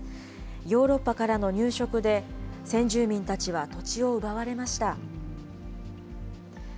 ヨーロッパからの入植で、先住民たちは土地を奪われました。